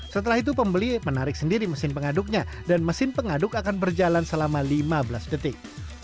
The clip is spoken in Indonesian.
setelah itu pembeli menarik sendiri mesin pengaduknya dan mesin pengaduk akan berjalan selama lima belas detik